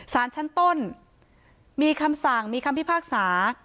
สารชั้นต้นมีคำสั่งมีคำพิพากษา